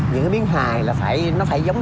những cái miếng hài nó phải giống như là truyền hình